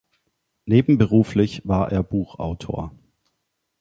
Nebenberuflich war er Buchautor.